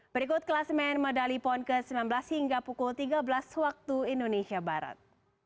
berikut kelas main medali pon ke sembilan belas hingga pukul tiga belas waktu indonesia barat